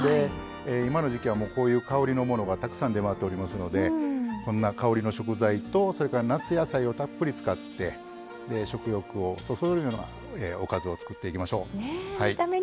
今の時季はこういう香りのものがたくさん出回っておりますのでこんな香りの食材と夏野菜をたっぷり使って食欲をそそるようなおかずを作っていきましょう。